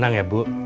mamin mau tau